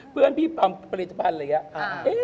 เพื่อนพี่ปั๊มผลิตภัณฑ์อะไรอย่างนี้